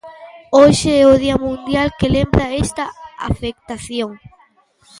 Hoxe é o día mundial que lembra esta afectación.